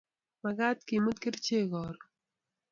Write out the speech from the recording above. Mekat kemut kerchek karon